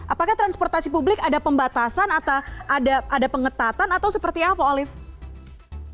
apakah transportasi publik ada pembatasan atau ada pengetatan atau seperti apa olive